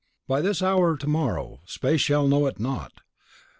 By this hour to morrow space shall know it not.